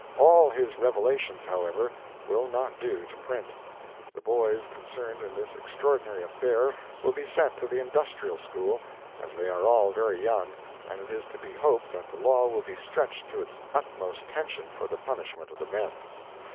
All his revelations, however, will not do to print. The boys concerned in this extraordinary affair will be sent to the Industrial School, as they are all very young, and it is to be hoped that the law will be stretched to its utmost tension for the punishment of the men...